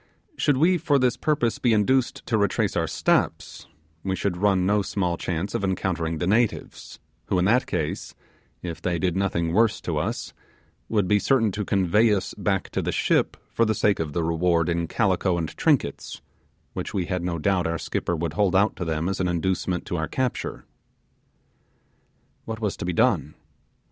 Should we for this purpose be induced to retrace our steps, we should run no small chance of encountering the natives, who in that case, if they did nothing worse to us, would be certain to convey us back to the ship for the sake of the reward in calico and trinkets, which we had no doubt our skipper would hold out to them as an inducement to our capture. What was to be done?